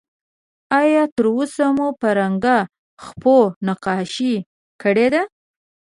آیا تر اوسه مو په رنګه خپو نقاشي کړې ده؟